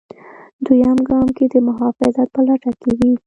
دویم ګام کې د محافظت په لټه کې وي.